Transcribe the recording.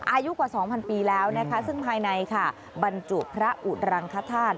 อายุกว่า๒๐๐ปีแล้วนะคะซึ่งภายในค่ะบรรจุพระอุรังคธาตุ